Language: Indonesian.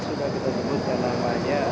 sudah kita sebutkan namanya